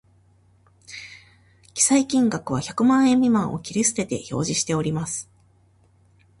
記載金額は百万円未満を切り捨てて表示しております